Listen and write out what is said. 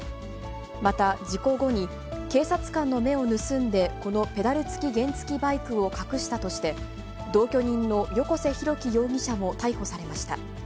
また、事故後に警察官の目を盗んで、このペダル付き原付きバイクを隠したとして、同居人の横瀬大輝容疑者も逮捕されました。